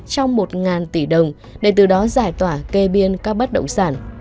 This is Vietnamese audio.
trong một tỷ đồng để từ đó giải tỏa kê biên các bất động sản